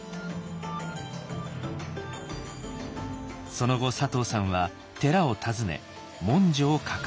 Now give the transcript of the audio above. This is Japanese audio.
その後佐藤さんは寺を訪ね文書を確認。